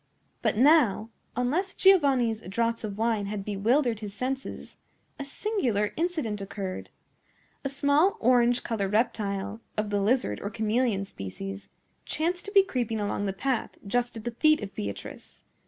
But now, unless Giovanni's draughts of wine had bewildered his senses, a singular incident occurred. A small orange colored reptile, of the lizard or chameleon species, chanced to be creeping along the path, just at the feet of Beatrice.